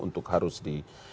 untuk harus di